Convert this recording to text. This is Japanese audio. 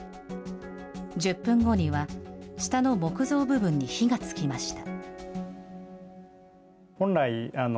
１０分後には、下の木造部分に火がつきました。